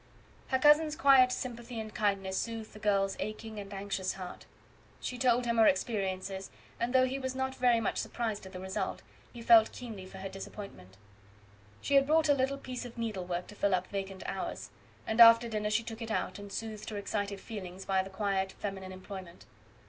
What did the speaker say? Her cousin's quiet sympathy and kindness soothed the girl's aching and anxious heart; she told him her experiences; and though he was not very much surprised at the result, he felt keenly for her disappointment. She had brought a little piece of needlework to fill up vacant hours, and after dinner she took it out, and soothed her excited feelings by the quiet feminine employment.